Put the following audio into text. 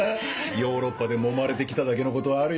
ヨーロッパでもまれてきただけのことはあるよ。